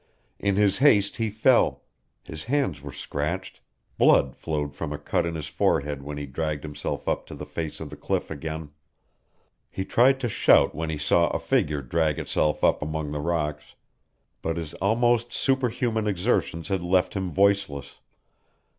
In his haste he fell; his hands were scratched, blood flowed from a cut in his forehead when he dragged himself up to the face of the cliff again. He tried to shout when he saw a figure drag itself up from among the rocks, but his almost superhuman exertions had left him voiceless.